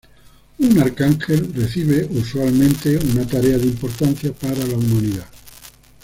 Un arcángel recibe, usualmente, una tarea de importancia para la humanidad.